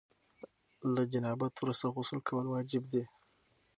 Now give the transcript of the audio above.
له جنابت وروسته غسل کول واجب دي.